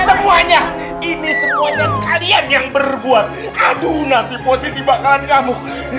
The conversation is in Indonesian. semuanya ini semuanya kalian yang berbuat aduna deposit bakalan kamu